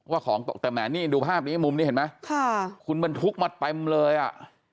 ของตกแต่แหมนี่ดูภาพนี้มุมนี้เห็นไหมค่ะคุณบรรทุกมาเต็มเลยอ่ะ